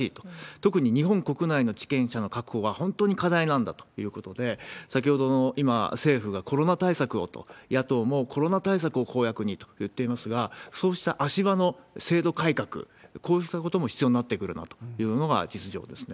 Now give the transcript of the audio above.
特に日本国内の治験者の確保は本当に課題なんだということで、先ほどの、今、政府がコロナ対策をと、野党も、コロナ対策を公約にと言っていますが、そうした足場の制度改革、こうしたことも必要になってくるなというのが実情ですね。